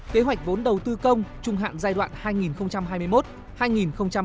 kế hoạch vốn đầu tư công trung hạn giai đoạn hai nghìn hai mươi một hai nghìn ba mươi